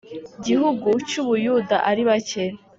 gihugu cy u Buyuda ari bake